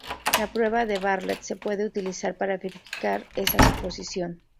La prueba de Bartlett se puede utilizar para verificar esa suposición.